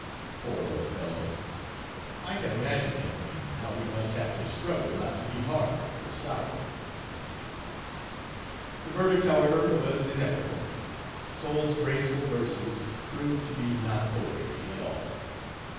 Poor old fellow! I can imagine him, and how he must have to struggle not to be hard or sour." The verdict, however, was inevitable. Soule's graceful verses proved to be not poetry at all.